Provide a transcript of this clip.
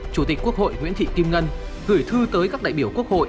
chủ tịch quốc hội nguyễn thị kim ngân gửi thư tới các đại biểu quốc hội